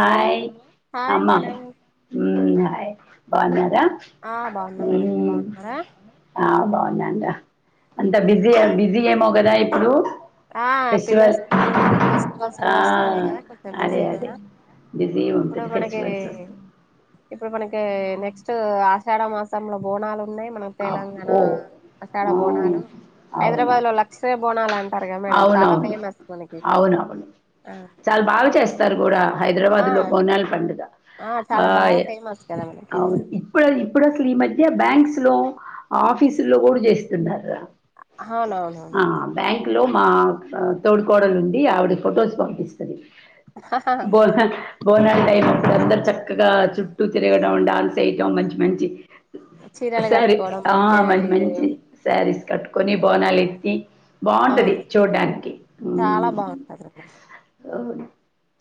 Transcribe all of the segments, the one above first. Hello hi అమ్మ madam hi బావున్నారా ఆ బాగున్నా ఉ మేడం మీరు బాగున్నారా ఆ బాగున్నాం రా అంత బిజీ బిజీ ఏమో కదా ఇప్పుడు ఆ పిల్లల ఫెస్టివల్ స్కూల్ ఫెస్టివల్స్ ఆ కూడా వస్తుంది కదా కొంచెం అదే బిజీనే అదే మేడం బిజీ ఇప్పుడు ఉంటుంది మనకి ఫెస్టివల్స్ వస్తు ఇప్పుడు మనకి నెక్స్ట్ ఆషాఢ మాసంలో బోనాలు ఉన్నాయి మన తెలంగాణ అబ్బో ఆషాఢ ఆ బోనాలు హైదరాబాద్ లో అవునవును లక్షర బోనాలంటే అవునవును అవునవును ఆ చాలా బాగా చేస్ స్తారు కూడా హైదరాబాద్ ఆ లో బొనాల పండుగ ఆ చాలా బాగా ఫేమస్ కదా మనకి అవును ఇప్పుడు ఇప్పుడు అసలు ఈ మధ్య బ్యాంక్స్ లో ఆఫీసుల్లో కూడా చేస్తున్నారు అవునవునువును బ్యాంక్లో మా తోడ్ కోడలు ఉంది ఆవిడ ఫొటోస్ పంపిస్తది బోనాలు బోనాల టైం అప్పుడు అందరు చక్కగా చుట్టూ తిరగడం డాన్స్ వేయట మంచి మంచి చీరలు శారీస్ కట్టుకోవడం ఆ మంచిగా రెడీ మంచి మంచి శారీస్ కట్టుకొని బోనాలు ఎత్తి బాగుంటది అవును చూడ్డానికి చాలా బాగుంటది అవును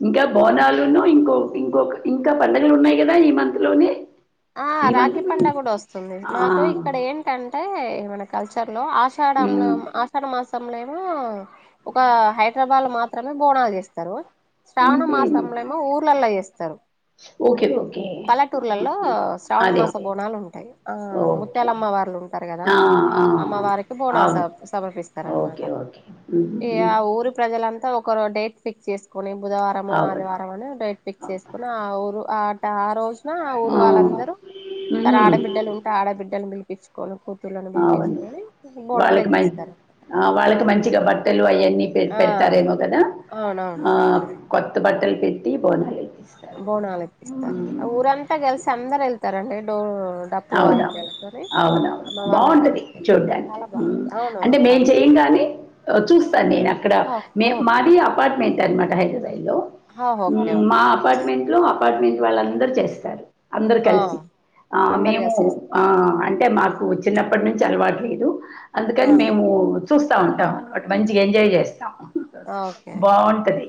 ఇంకా బా బోనాలును ఇంకో ఇంకొక ఇంకా పండుగలు ఉన్నాయి కదా ఈ మంత్ లోనే ఆ ఈ మంత్ రాగి పంట లోనే కూడా వస్తుంది మాకు ఆ ఇక్కడ ఏంటి అంటే మన కల్చర్ లో ఆషాడంలో మ్మ్ మాసంలో ఏమో ఒక హైదరాబాద్ లో మాత్రమే బోనాలు చేస్తారు శ్రావణ ఊహూ మాసంలో ఏమో ఊర్లలా చేస్తారు ఓకే ఓకే ఆహా పల్లెటూర్లలో శ్రావణ మాస బోనాలు ఉంటాయి ఆ ఓకే ముత్యాలమ్మ వాళ్ళు ఉంటారు కదా ఆ ఆ అమ్మ వారికి బోనాలు స సమర్పిస్తారనమాట ఉ ఊరు ప్రజలంతా ఒకరు డేట్ ఫిక్స్ చేసుకొని బుధవారము అవును ఆదివారం అని డేట్ పిక్ చేసుకుని ఆ ఊరు ఆ ఆ రోజున ఆ ఊరు వాళ్ళందరూ తన ఆడబిడ్డలు ఆడబిడ్డను పిలిపించుకొని కూతుర్లను అవును పిలిపించుకొని బోనాలు వాళ్ళకి మం ఎత్తిస్తారు ఆ వాళ్ళకి మంచిగా బట్టలు అవన్నీ పె ఆ పెడతారేమో కదా అవునవును ఆ బట్టలు కొత్త బట్టలు పెట్టి బోనాలి బోనాల ఇపిస్తారు ఊరంతా కల్సి అందరెల్తారండి డో డబ్ అవునవును అవునవును బాగుంటది దగ్గరికి వెళ్ చూడ్డానికి చాలా బాగుంటుంది అవునవును అంటే మేము చాలా బాగుంది చేయంగాని చూస్తాను నేను అక్కడ ఓకే మాది అపార్ట్మెంట్ అనమాట హైదరాబాద్ లో ఓకే ఓకే మా అపార్ట్మెంట్ లో అపార్ట్మెంట్ వాళ్ళ అందరుూ చేస్తారు అందరు కలిసి ఆ అందరు మేము కలిసి అంటే మాకు చిన్నప్పటి నుంచి అలవాటు లేదు అందుకని చేస్తారు మేము చూస్తా ఉంటాం ఒకటి మంచిగా ఎంజాయ్ చేస్తాం ఓకే ఓకే బావుంటది.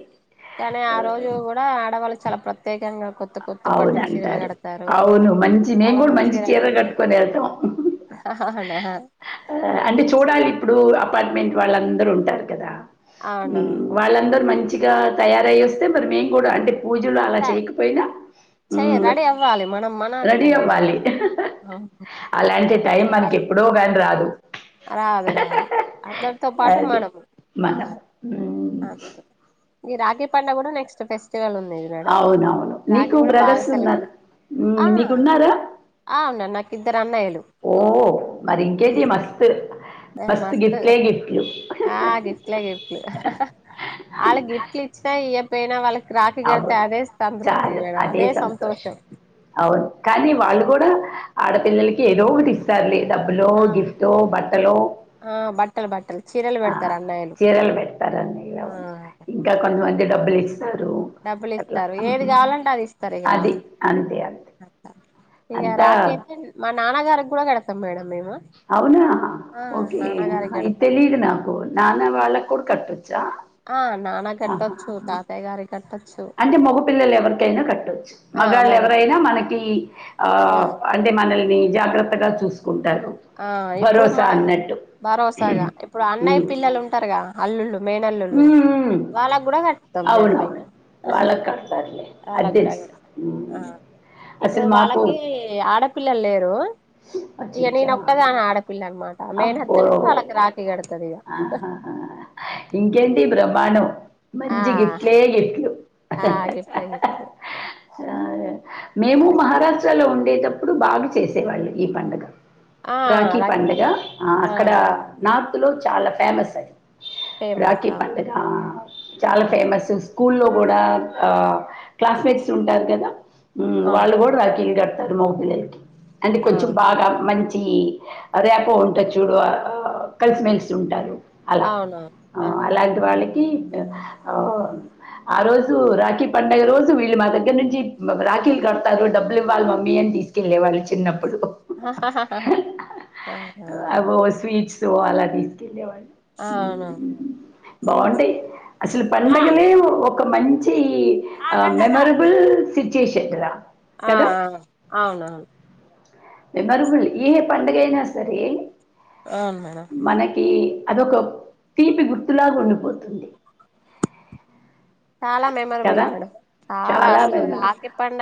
కానీ ఆ ఆహ్, రోజు కూడా ఆడవాళ్ళు చాలా ప్రత్యేకంగా కొత్త పట్టు అవును చీరలు అంటారు కడతారు అవును మంచి మేము చాలా కూడా మంచి మంచిగా రెడీ చీర అవుతారు కట్టుకొని వెళ్తాం అవునా అంటే చీర చూడాలి ఇప్పుడు అపార్ట్మెంట్ వాళ్ళందరూ ఉంటారు కదా అవునా వాళ్ళందరూ మంచిగా తయారయ్యేస్తే మరి మేము కూడా అంటే పూజలు అలా త చేయకపోయినా ఉ చెయ రెడీ అవ్వాలి మనం మన హక్కు రెడి కదా అవ్వాలి అలాంటి టైం మనకి ఎప్పుడో కానీ రాదు రాదు రాదు అందరితో పాటు అది మనము మనం ఉమ్, అ ఈ రాగి పండ కూడా నెక్స్ట్ ఫెస్టివల్ ఉందిది అవునవును నీకు బ్రదర్స్ ఉన్నారు సెలబ్రేట్ ఆ నీకున్నారా ఆ వున్నాను నాకు ఇద్దరు అన్నయ్యలు ఓహ మరి ఇంకేది మస్ ఆ మస్త ఆ గస్లే వాళ్ళ గిఫ్టులు ఇచ్చినా ఇవ్వకపోయినా పోయినా వాళ్ళకి రాఖకి కడితే అవును అదే సంతృప్తి పోనా అదే సంతోషం అవును కానీ వాళ్ళు కూడా ఆడపిల్లలకి ఏదో ఒక ఇస్త సర్లీ డబ్బులు ఆ గిఫ్ట్ బుట్టలో ఆ బట్టలు బట్టలు చీరలు ఆ పెడతారు అన్నయ్యలు చీరలు పెడతారుని ఇలా ఆ ఇంకా చీరలు కొంతమంది డబ్బులు ఇస్తారు డబ్బులు అట్లా. ఇస్తారు ఏది ఆహా! కావాలంటే అది ఇస్తారు ఇ కా అది. వాళ్ళు అంతే అంతే. ఇక అంతా రాక అయితే మా నాన్నగారికి కూడా గడతాం మేడం మేము అవునా ఆ ఓకే నాన్నగారికి ఇ కడతాం తెలిదు నాకు నానా వాళ్ళ కూడా కట్చ్చా ఆ నాన్న ఆహా కట్టొచ్చు తాతయ్య గారికి కట్టొచ్చు అంటే మగపిల్లలు ఎవరికైనా కట్టొచ్చు ఆ మగాళ్ళ మగ ఎవరైనా మనకి ఆ అంటే మనల్ని జాగ్రత్తగా చూసుకుంటారు ఆ ఇప్పుడు భరోసా మా అన్నట్టు భరోసాగా ఇప్పుడు అన్నయ్య ఉమ్. పిల్లలు ఉంటారుగా అల్లులుు మేన్ అల్లులు ఉమ్. వాళ్ళకు కూడా కడతాం మేడం అవునవును వాళ్ళకి కడతారులే అది వాళ్ళకు కూడా తెలుసు కతాం ఉమ్. ఇప్పుడు అసలు మాకు వాళ్ళకి ఆడపిల్లలు లేరు అచ్చ అచ్చ క్కదాని ఆడపిల్ల అనమాట మేహతునే వాళ్ళకి రాఖీ కడుతుంది ఇక ఆహాహా! ఇంకేంటి బ్రహ్మాణం ఆ మంచి గిఫ్ట్లే గిఫ్ట్లు లహట్ మేము మహారాష్ట్రలో ఉండేటప్పుడు బాగా చేసేవాళ్ళు ఈ పండుగ ఆ రాఖీ పండుగ పండగ ఆ అక్కడ నార్త్ లో చాలా ఫేమస్ అది ఫేమస్ రాఖీ అవును పడుగ చాలా అవును ఫేమస్ స్కూల్లో కూడా క్లాస్మేట్స్ ఉంటారు కదా వాళ్ళు కూడా రాకిీంగ్ గట్ మపిల్లలకి అంటే కొంచెం అవును బాగా మంచి రేపో ఉంట చూడు కలిసిమెలిసి ఉంటారు అలా అవును అవునవును అట్లా అలాంటి వాళ్ళకి ఆ రోజు రాఖీ పడుగ రోజు వీళ్ళు మాద దగ్గ నుంచి రాఖీల్ కడతారు, డబ్బులు ఇవ్వాలి మమ్మీ అని తీసుకెళ్లే వాళ్ళు చిన్నప్పుడు. అవునా ఒ స్వీట్స్ అలా తీసుకెళ్ళేవాళ్ళు. అవునవును మ్ సిక్స్ బాగుంటాయి. అసలు ఆ పండగలే ఒక మంచి ఆ మెమర కసకాల్ బుల్ సిచువేషన్ రా ఆ కదా ఆ అవునవున్ మెమోరబుల్ ఏ పండగ అయినా సరే అవును మేడం మనకి అదొక తీపి గుర్తులాగ ఉండిపోతుంది. చాల మెమరబుల్ కదా మేడం చాలా అసలు రాఖీ పండ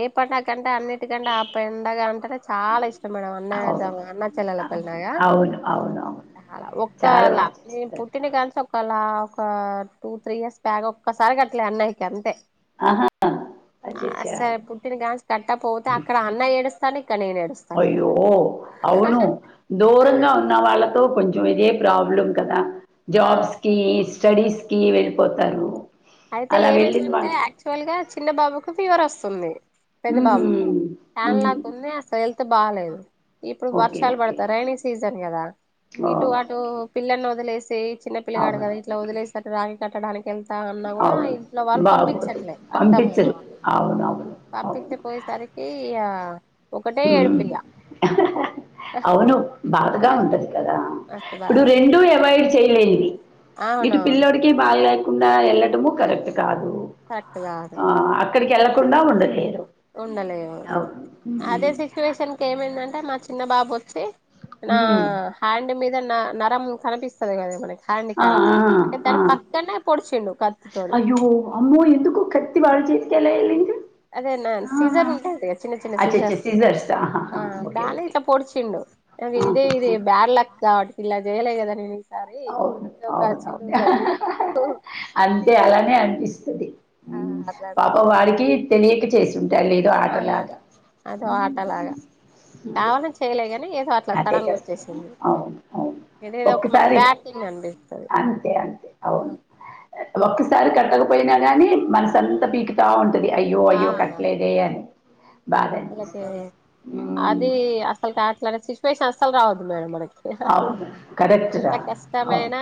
ఏ పండగ కంటే అన్నిటికంటే ఆ పెండగ అంటనే, చాలా ఇష్టం మేడం అన్నజ అవును అన్నా చెల్లెల అవును పల్నాయ అవును అవును అవు చాల ఒక్క లాబ్ జిమ్ పుట్టిన కాంచీ ఒకలా ఒక టూ త్రీ ఇయర్స్ బ్యాక్ ఒక్కసారి కట్టలే అన్నయ్యకి అంతే. ఆహా అచ్చచ్చా అసరే పుట్టిన కాంచి కట్టకపోతే అక్కడ అన్న ఏడుస్తాను ఇక్క నేను ఏడుస్ అయ్యో అవును దూరంగా ఉన్న వాళ్ళతో కొంచ్ చం ఇదే ప్రాబ్లం కదా! ఆ జాబ్స్ కి, స్టడీస్ కి వెళ్ళిపోతారు. అయితే అలా వెళ్ళిన ఏమైందంటే వాళ్ళు యాక్చువల్ గా చిన్న బాబుకు ఫీవర్ వస్తుంది పెద్ద హుహు. బాబుకు టన్ హుహు. లాక్ ఉంది, అసలు హెల్త్ బాలేదు, ఇప్పుడు ఓకే. వర్షాలు ఓకే. పడతా రెైనీ సీజన్ కదా! ఇటు అటు ఓకే. పిల్లల్ని వదిలేసి చిన్న పల్లగాడు కదా అవును. ఇట్లా వదిలేసి అటు రాఖీ కట్టడానికి ఎల్తా అన్నా కూడ అవును. ఇంట్లోవాళ్ బాగోదు. పంపించట్లే అత్తామామ పంపించరు. వాళ్ళు అవునవును. అవును. అవును పంపించపోయేసరికి ఇగ ఒకటే ఉమ్. ఏడుపిగ అవును బాధగా ఉంటది కదా! మస్తు ఇప్పుడు బాగుంది రెండూ అవాయిడ్ అంతేలెండి ఇటు అవునవును పిల్లోడికి బాలేకుండా ఎళ్ళడము కరెక్ట్ కాదు. కరెక్ట్ కాదు ఆ అక్కడికి వెళ్ళకుండా ఉండలేరు. ఉండలేము. అవును అదే సిచ్యువేషన్ కి ఏమైందంటే మా చిన్న బాబు వచ్చి, నా ఉమ్. హ్యాండ్ మీద న నరం కనిపిస్తది కదా మనకి హ్యాండ్ ఆ కాడ ఆ ఆ. దాని పక్కనే పొడిచిండు కత్తితోడి. వామ్మో ఎందుకు కత్తి వాళ్ చేతికి ఎలా ఎళ్ళింది? అదే నాన్ సీజర్ ఉంటాది గా చిన్న చిన్న అచ్చచ్చ సీజర్స్ సిజర్స్ ఆ ఆహాహా ఓకే దాని ఓకే ఇట్లా పొడిచిండు. ఇదే ఇదే ఆహాహా. బ్యాడ్ లక్ కాబట్టి ఇలా చేయ్యలే కదా నేను ఈసారి అవును. ఇది ఒక అవును. చెడు అవును. జరిగింది నాకు అని అంతే నేను అలానే అనిపిస్తది. ఆ మ్ అట్లా పాపం వాడికి తెలియక చేసింటాడు లే. ఆ అదో ఆటలాగ మరి కావల్లని చేయలేగానీ ఏదో అట్ అదే కస్ అవును అవును ఇదేదో ఒక మనకి ఒక్కసారి బ్యాడ్ థింగ్ అనిపిస్తది అంతే అంతే అవును ఒక్కసారి కట్టకపోయినా గాని, మనసంత పీక తా ఉంటది అయ్యో ఆ అయ్యో కట్టలేదే అని. బాధ ఒకటి అనిపిస్తది. హ్మ్. అది అసలు కాట్లాడే సిచ్యువేషన్ అసలు రావద్దు మేడం మనకి. అవును. కరెక్ట్ ఎంత రా. అవును. కష్టమైనా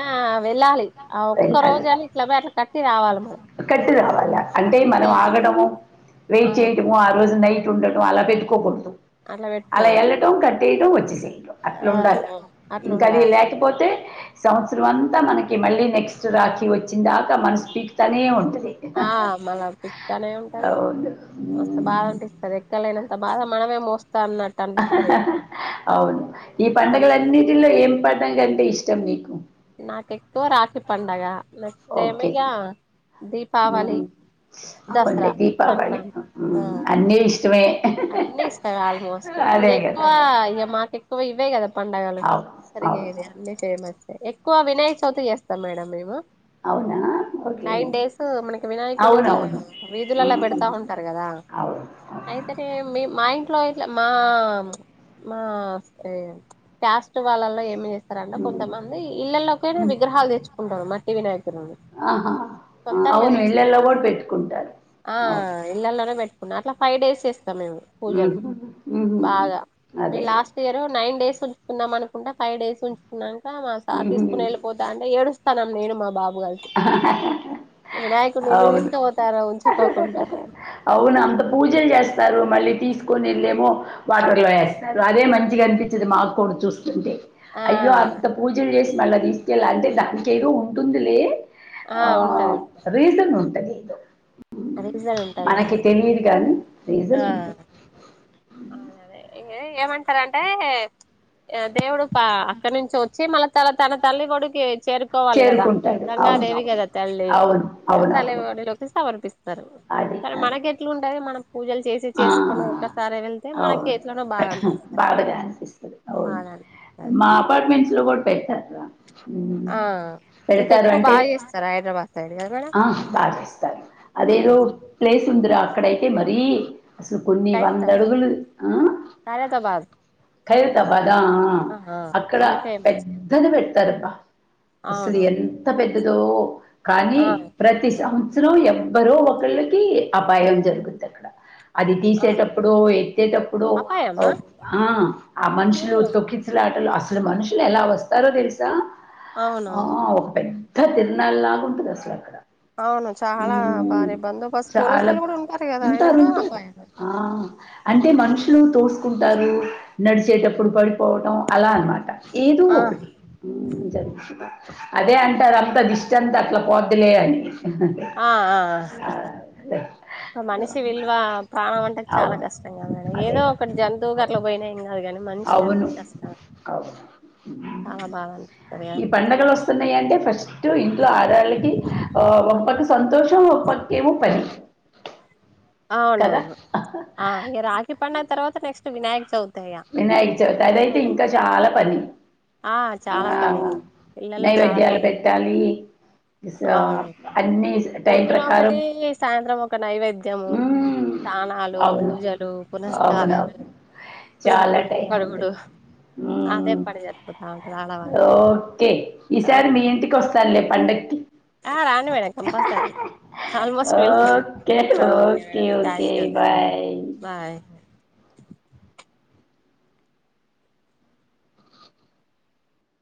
వెళ్ళాలి. ఆ ఒక్క రోజు అని ఇట్ల పొయ్యి అట్ల కట్టి రావాలి మనం. కట్టి రావాల అంటే అంతే మనం నువ్వు ఆగడము ఆ వెయిట్ చేయటం ఉ ఆ రోజు నైట్ ఉండటం అలా పెట్టుకోకూడదు. అట్లా అలా పెట్టుకోవద్దు ఎళ్ళటం కట్టేయడం వచ్చేసేయటం. అట్లా ఆ ఉండాలా ఆ అట్లా ఇంకా అది ఉండాలి లేకపో పోతే సంవత్సరం అంతా మనకి మళ్ళీ నెక్స్ట్ రాఖీ వచ్చిందాకా మన స్పీక్ తనే ఉంటది ఆ మళ్ళా పిక్ తానే ఉంటది అవును మస్త బాద ఉమ్. అపిస్తుంది లెక్క లేనంత బాధ మనమే మోస్తా అన్నట్ అవును ఈ పండుగల ప్రపంచం అన్నిటిలో ఏం పండగకంటే ఇష్టం మీకు నాకు ఎక్కువ రాఖీ పండగ నెక్స్ట్ ఏమో ఓకే ఇగా దీపావళి ఉమ్. దసరా సంక్రాంతి ఆ అన్ని ఇష్టమే అన్నీ ఇష్టం ఆల్మోస్ట్ ఇంక అదే ఎక్కువ కదా ఇగ మాకు ఎక్కువ ఇవే కదా పండగలు అవును అరిగే అవును ఇది అన్ని ఫేమస్ ఎక్కువ వినాయ్ చవితి చేస్తాం మేడం మేము అవునా ఓకే నైన్ డేస్ మనకి వినాయకుని ఇట్లా అవునవును వీధులల్లో పెడతా ఉంటారు కదా అ అయితేనే మీ మా ఇంట్లో ఇట్లా మా మా వస్తే క్యాస్ట్ వాళ్లలో ఏమి చేస్ ఇస్తారంట ఉమ్. కొంతమంది ఇళ్లల్లోకనే ఉమ్. విగ్రహాలు తెచ్చుకుంటారు మట్టి వినాయకుని ఆహా ఆ, సొంతంగా అవును ఇళ్లల్లో తెచ్చుకొని కూడా పెట్టుకుంటారు అవును ఇళ్లల్లోనే పెట్టుకున్నా అట్లా ఫైవ్ డేస్ చేస్తాం మేము పూజలు ఉహు. ఉహు. బాగా మే అదే లాస్ట్ స్ట్ ఇయర్ నైన్ డేస్ ఉంచుకుందం అనుకుంటే ఫైవ్ డేస్ ఉంచుకున్నాక మా సార్ ఉహు. తీసుకొని వెళ్లి పోతా అంటే ఏడుస్తానం నేను మా బాబు వినాయకుని నిన్ను అవును తీసుకుపోతారో ఉంచకోకుండా అవును అంత పూజలు చేస్తారు మళ్ళీ తీసుకొని వెళ్ళేమో వాటర్లో వేస్తారు అదే మని కనిపించది మాకు కూడా చూస్తుంటే ఆ అయ్యో అంత పూజలు చేసి మళ్ళా తీసుకెళ్ళి అంటే దానికి ఏదో ఉంటుందిలే ఆ రీజన్ ఉంటది ఏదో రీజన్ ఉంటది మనకి అది తెలిది కానీ రీజన్ ఉంటది అవునదే ఇ ఏమంటారంటే ఆ దేవుడు ప అక్కడి నుంచి వచ్చి మళ్ళ త తన తల్లి కొడికి చేరు కోవాలి కదా చేరుకుంటాడు గంగాదేవి అవునవును కదా తల్లి అవును అవునవును తలవాడలోకి సమర్పిస్త అది కాని అది మనకు ఎట్లు ఉంటది మనం పూజలు చేసి ఆ, చేసుకుని ఒక్కసారి వెళ్ అవును బాధగా అనిపిస్తది అవును బాధనిపిస్తది మా అపార్ట్మెంట్స్ లో కూడా పెడతారు రా పెడతారు అంటే స హైదరాబా తడియోగోన ఆ బాచేస్తారు అదేదో ప్లేస్ ఉందిరా అక్కడైతే మరీ అసలు కొన్ని ఖైరతాబాద్ వందడుగులు ఆ ఖైరతాబాద్ ఖైరతాబాద్ ఆ ఆహా అక్కడ అది ఫేమస్ పెద్దది పెడతారబ్బా అసలు అవునవును ఎంత్ ఎంత పెద్దదో కానీ ఆ ప్రతి సంవ్ అసలు ఎవ్వరో ఒకళ్ళకి అపాయం జరుగుద్ది అక్కడ అది ఆ తీసేటప్పుడు ఎత్తేటప్పుడు అపాయమా ఆ ఆ మనుషులు తొక్కి అసలు ఆటలు అసలు మనుషులు ఎలా వస్తారో తెలుసా ఆ అవునవును ఒక పెద్ద పెద్ద తిరణాలాగుంటది అసలు అక్కడ అవును చాలా హ్మ్ భారీ బందోబస్తు పోలీసు చాలా వాళ్ళ బ- కూడా ఉంటారు కదా ఆయన కూడా అపాయమే ఆ అంటే మనుషులు తోసుకుంటారు నడిచేటప్పుడు పడిపోవటం అలా అనమాట ఏదో ఆ ఒకటి జరుగుతుంది అదే అంటారు అంత దిష్ట అంత అట్లా పోద్దిలే అని ఆ ఆ ఆ ఆహ్ అదే. ఒక మనిషి విలువ ప్రాణం అంట చాలా అవును కష్టం కదండీ అదే ఏదో కదా ఒకటి జన్ త గట్ల అవును పోయిన ఏం కాదు గాని అవును చాలా బాధ అనిపిస్తది కదా ఇ పండగలు వస్తున్నాయింటే ఫస్ట్ స్టు ఇంట్లో ఆడవాళ్ళకి ఓ గొప్పది సంతోషం ముప్పై కి ముప్పై అవునవును ఆ రాఖీ పండగ తర్వాత నెక్స్ట్ వినాయక చవితి వినాయక చవితి అదైతే ఇంకా చాలా పని ఆ చాలా పని ఇల్లల్లా చాలా పనులు కాళీ అవును టైం పొద్దున ప్రకారం ఒకటి సాయంత్రం ఒకటి నైవేద్యము మ్మ్ స్నానాలు అవును పూజలు పునస్కారాలు అవునవును చాలా తిడుతుండు టైం కడుగుడు ఉంటది అదే మ్మ్ పని సరిపోతా అంటుంది ఆడాళ్ళ ఓకే ఈసారి మీ ఇంటికి వస్తలే పండక్కి ఆ రాండి madam compulsory almost welcome okay ఆ okay madam okay thank you thank you bye bye